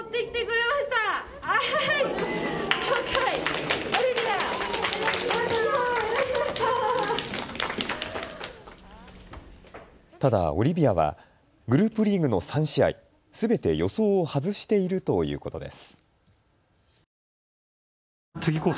ただ、オリビアはグループリーグの３試合、すべて予想を外しているということです。